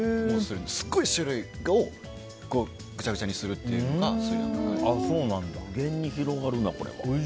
すごい種類をぐちゃぐちゃにするのが無限に広がるな、これは。